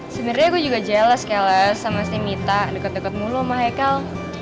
sebenernya gue juga jealous jealous sama si mita deket deket mulu sama haikal